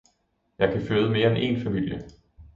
jeg kan føde mere end én familie!